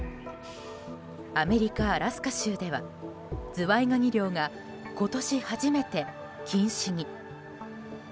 アメリカ・アラスカ州ではズワイガニ漁が今年初めて禁止に。